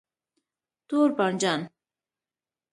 🍆 تور بانجان